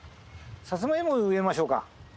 サツマイモ植えましょうか。